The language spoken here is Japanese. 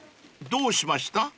［どうしました？］